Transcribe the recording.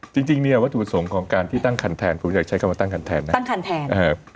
จริงจริงเนี่ยวัตถุประสงค์ของการที่ตั้งคันแทนผมอยากใช้คำว่าตั้งคันแทนนะตั้งคันแทนเอ่อ